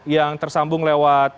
yang tersambung lewat